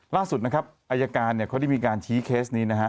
ล่าสุดนะครับอายการเนี่ยเขาได้มีการชี้เคสนี้นะฮะ